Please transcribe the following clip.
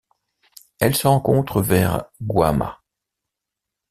Elle se rencontre vers Guamá.